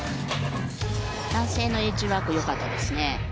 男性のエッジワークよかったですね。